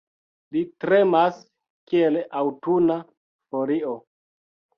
Li tremas, kiel aŭtuna folio.